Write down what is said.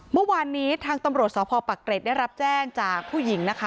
เมื่อวานนี้ทางตำรวจสพปักเกร็ดได้รับแจ้งจากผู้หญิงนะคะ